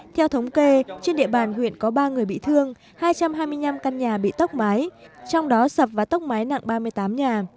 theo thống kê trên địa bàn huyện có ba người bị thương hai trăm hai mươi năm căn nhà bị tốc mái trong đó sập và tốc mái nặng ba mươi tám nhà